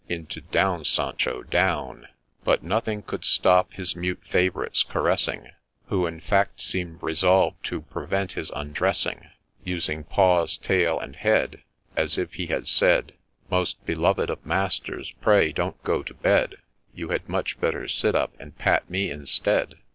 ' into ' Down, Sancho I down I ' But nothing could stop his mute fav'rite's caressing, Who, in fact, seemed resolved to prevent his undressing, THE BAGMAN'S DOG 205 Using paws, tail, and head, As if he had said, ' Most beloved of masters, pray, don't go to bed ; You had much better sit up, and pat me instead